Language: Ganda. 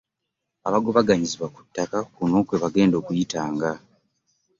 Abagobaganyizibwa ku ttaka kuno kwebagenda okuyitanga